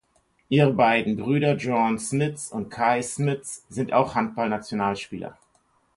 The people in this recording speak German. Ihre beiden Brüder Jorn Smits und Kay Smits sind auch Handballnationalspieler.